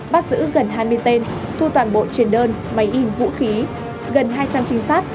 bắt giữ gần hai mươi tên thu toàn bộ truyền đơn máy in vũ khí gần hai trăm linh trinh sát